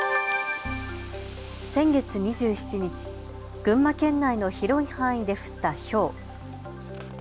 先月２７日、群馬県内の広い範囲で降ったひょう。